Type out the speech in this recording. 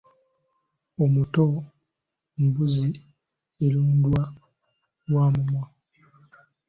Omuto mbuzi erundwa wa mumwa.